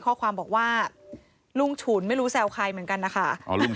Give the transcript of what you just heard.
ข้อความบอกว่ารุ่งถูนไม่รู้แซวใครเหมือนกันนะคะอ๋อรุ่ง